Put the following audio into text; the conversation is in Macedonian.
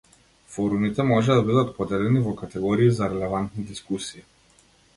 Форумите може да бидат поделени во категории за релевантни дискусии.